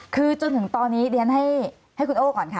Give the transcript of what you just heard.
คือจนถึงตอนนี้เรียนให้คุณโอ้ก่อนค่ะ